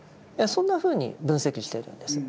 そんなふうに分析しているんです。